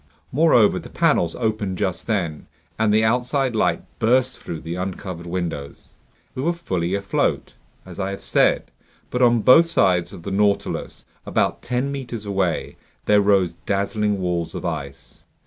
Moreover, the panels opened just then, and the outside light burst through the uncovered windows. We were fully afloat, as I have said; but on both sides of the Nautilus, about ten meters away, there rose dazzling walls of ice.